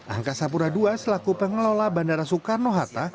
angka sapura ii selaku pengelola bandara soekarno hatta